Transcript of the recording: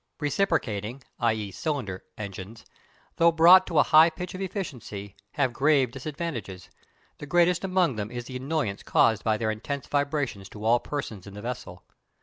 Reciprocating (i.e. cylinder) engines, though brought to a high pitch of efficiency, have grave disadvantages, the greatest among which is the annoyance caused by their intense vibration to all persons in the vessel.